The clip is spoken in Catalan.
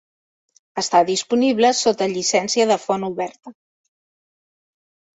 Està disponible sota llicència de font oberta.